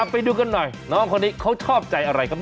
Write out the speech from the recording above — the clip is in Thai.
ไปดูกันหน่อยน้องคนนี้เขาชอบใจอะไรครับ